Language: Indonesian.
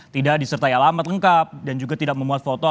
tidak disertai alamat lengkap dan juga tidak memuas foto